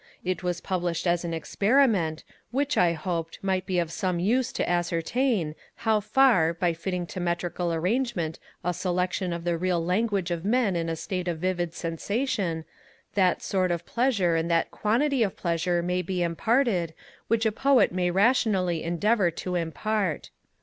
It was published as an experiment, which, I hoped, might be of some use to ascertain, how far, by fitting to metrical arrangement a selection of the real language of men in a state of vivid sensation, that sort of pleasure and that quantity of pleasure may be imparted, which a Poet may rationally endeavour to impart.